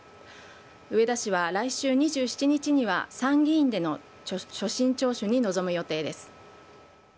植田氏は、来週２７日には参議院での所信聴取に臨む予定です。